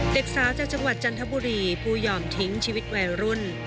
เด็กสาวจากจังหวัดจันทบุรีผู้ยอมทิ้งชีวิตวัยรุ่น